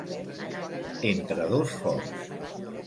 Entre dos focs.